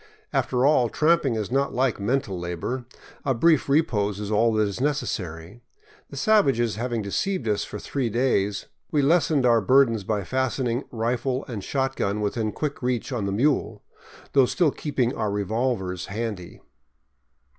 After all, tramping is not like mental labor; a brief re pose is all that is necessary. The savages having deceived us for three days, we lessened our burdens by fastening rifle and shotgun within quick reach on the mule, though still keeping our revolvers handy.